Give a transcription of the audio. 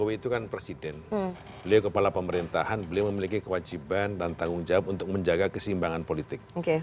beliau kepala pemerintahan beliau memiliki kewajiban dan tanggung jawab untuk menjaga keseimbangan politik